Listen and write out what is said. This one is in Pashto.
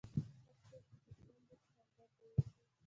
هر څوک چې په ستونزه کې یې همدلته اوسي.